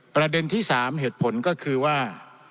ประเด็นที่๓เหตุผลก็คือว่า